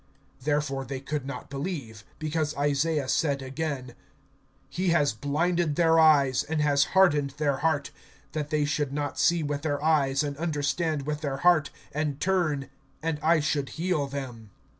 (39)Therefore they could not believe, because Isaiah said again: (40)He has blinded their eyes, And has hardened their heart; That they should not see with their eyes, And understand with their heart, And turn, and I should heal them.